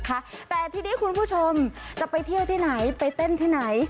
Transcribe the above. แต่ทีนี้คุณผู้ชมจะไปเที่ยวที่ไหนไปเต้นที่ไหน